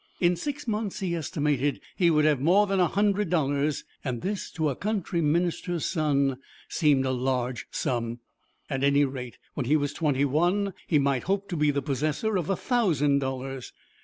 In six months, he estimated, he would have more than a hundred dollars, and this to the country minister's son seemed a large sum. At any rate, when he was twenty one he might hope to be the possessor of a thousand dollars.